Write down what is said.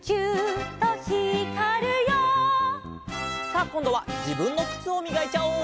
さあこんどはじぶんのくつをみがいちゃおう！